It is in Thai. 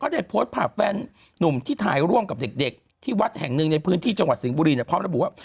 ได้โพสต์ภาพแฟนนุ่มที่ถ่ายร่วมกับเด็กที่วัดแห่งหนึ่งในพื้นที่จังหวัดสิงห์บุรีพร้อมระบุว่า